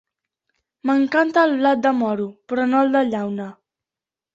M'encanta el blat de moro, però no el de llauna.